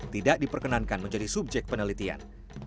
tidak diperkenankan menjadi subjek penelitian